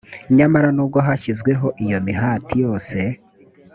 nyamara nubwo hashyizweho iyo mihati yose